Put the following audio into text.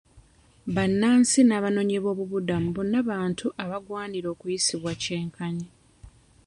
Bannansi n'abanoonyiboobubudamu bonna bantu abagwanira okuyisibwa kyenkanyi.